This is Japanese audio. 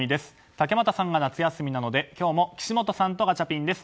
竹俣さんが夏休みなので今日も岸本さんとガチャピンです。